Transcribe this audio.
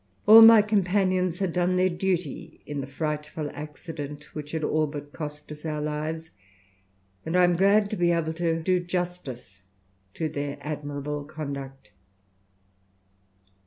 All my companions had done their duty in the frightful accident, which had all but lost us our lives, and I am glad to be able to do justice to their admirable conduct.